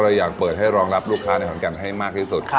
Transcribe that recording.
อยากเปิดให้รองรับลูกค้าในขอนแก่นให้มากที่สุด